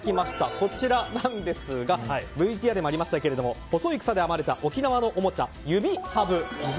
こちらなんですがＶＴＲでもありましたけど細い草で編まれた沖縄のおもちゃ指ハブ。